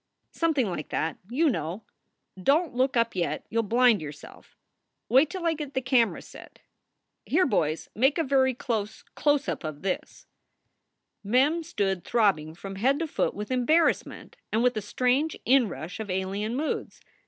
"Something like that, you know. Don t look up yet. You ll blind yourself. Wait till I get the camera set. Here, boys, make a very close close up of this." i 3 4 SOULS FOR SALE Mem stood throbbing from head to foot with embarrass ment and with a strange inrush of alien moods.